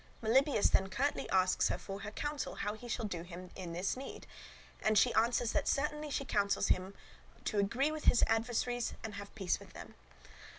Melibœus then curtly asks her for her counsel how he shall do in this need; and she answers that certainly she counsels him to agree with his adversaries and have peace with them.